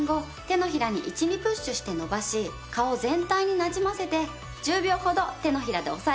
手のひらに１２プッシュして伸ばし顔全体になじませて１０秒ほど手のひらで押さえるだけよ。